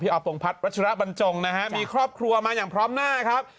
ออฟพงพัฒน์วัชรบรรจงนะฮะมีครอบครัวมาอย่างพร้อมหน้าครับ